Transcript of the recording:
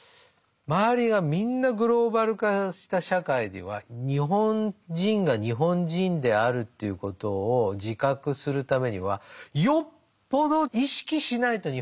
周りがみんなグローバル化した社会では日本人が日本人であるということを自覚するためにはよっぽど意識しないと日本人にはなれないわけ。